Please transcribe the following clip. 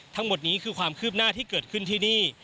ทั้งหมดนี้คือความคืบหน้าที่เกิดขึ้นที่นี่